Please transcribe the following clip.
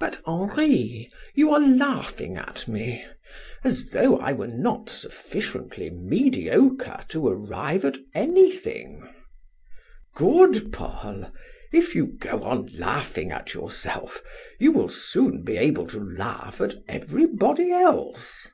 "But, Henri, you are laughing at me as though I were not sufficiently mediocre to arrive at anything." "Good Paul! If you go on laughing at yourself, you will soon be able to laugh at everybody else."